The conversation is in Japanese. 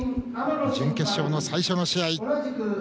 準決勝の最初の試合。